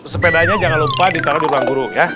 sepedanya jangan lupa ditaruh di ruang guru ya